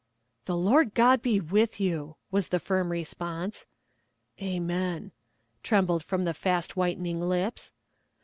'The Lord God be with you!' was the firm response. 'Amen,' trembled from the fast whitening lips.